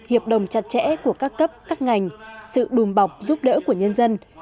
hiệp đồng chặt chẽ của các cấp các ngành sự đùm bọc giúp đỡ của nhân dân